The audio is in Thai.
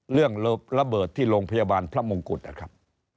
เรื่องระเบิดที่โรงพยาบาลพระมงกุฎนะครับ